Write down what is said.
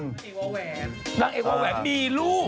นางเอกวาแหวนนางเอกวาแหวนมีลูก